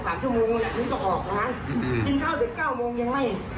เดี๋ยว๒๓ชั่วโมงนี่ก็ออกแล้วนะยินข้าวตั้งแต่เก้าโมงยังไม่